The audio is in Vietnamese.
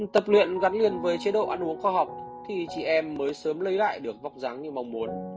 tập luyện gắn liền với chế độ ăn uống khoa học thì chị em mới sớm lấy lại được vóc dáng như mong muốn